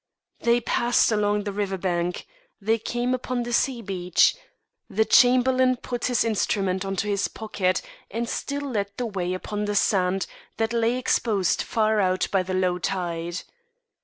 They passed along the river bank; they came upon the sea beach; the Chamberlain put his instrument into his pocket and still led the way upon the sand that lay exposed far out by the low tide.